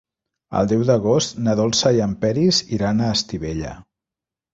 El deu d'agost na Dolça i en Peris iran a Estivella.